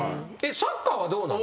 サッカーはどうなの？